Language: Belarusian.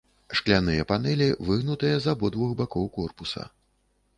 Шкляныя панэлі выгнутыя з абодвух бакоў корпуса.